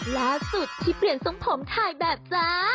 ล่าสุดที่เปลี่ยนทรงผมถ่ายแบบจ้า